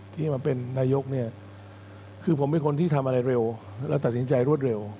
ที่มาเป็นนายกเนี่ยคือผมเป็นคนที่ทำอะไรเร็วและตัดสินใจรวดเร็ว